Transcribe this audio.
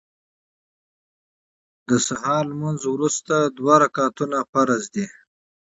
د ګهیځ لمونځ وروستي دوه رکعتونه فرض دي